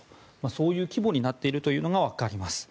そういう規模になっているのがわかります。